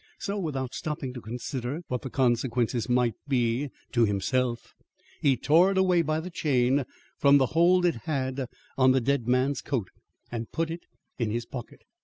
So, without stopping to consider what the consequences might be to himself, he tore it away by the chain from the hold it had on the dead man's coat and put it in his pocket.